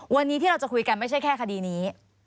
วันนี้ที่เราจะคุยกันไม่ใช่แค่คดีนี้